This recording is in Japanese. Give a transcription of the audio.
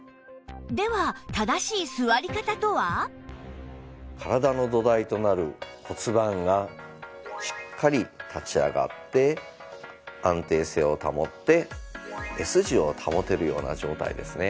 では体の土台となる骨盤がしっかり立ち上がって安定性を保って Ｓ 字を保てるような状態ですね。